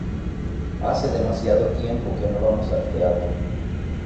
Hace demasiado tiempo que no vamos al teatro.